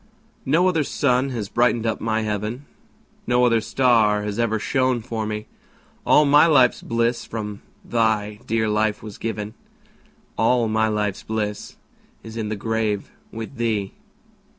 No other sun has brightened up my heaven, No other star has ever shone for me; All my life's bliss from thy dear life was given, All my life's bliss is in the grave with thee.